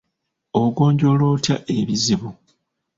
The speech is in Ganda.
Ogonjoola otya ebizibu?